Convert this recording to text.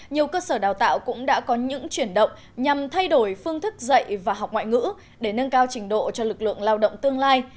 nhiều cơ sở đào tạo cũng đã có những chuyển động nhằm thay đổi phương thức dạy và học ngoại ngữ để nâng cao trình độ cho lực lượng lao động tương lai